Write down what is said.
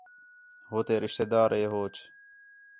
ہو تے رشتے دار ہے ہوچ